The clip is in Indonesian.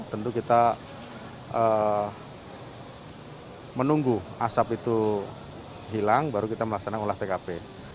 tentu kita menunggu asap itu hilang baru kita melaksanakan olah tkp